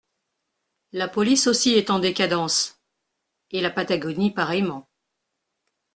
La police aussi est en décadence… et la Patagonie pareillement…